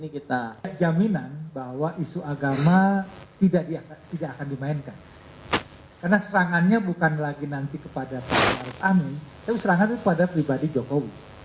kita jaminan bahwa isu agama tidak akan dimainkan karena serangannya bukan lagi nanti kepada pak arief amin tapi serangan itu kepada pribadi jokowi